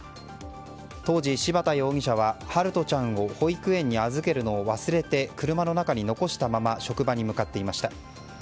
当時、柴田容疑者は陽翔ちゃんを保育園に預けるのを忘れて車の中に残したまま職場に向かっていました。